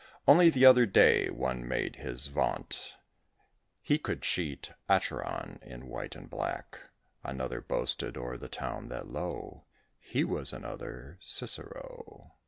Only the other day one made his vaunt He could cheat Acheron; in white and black Another boasted o'er the town that, lo! He was another Cicero.